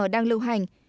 đang lưu hành